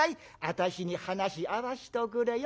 私に話合わしておくれよ。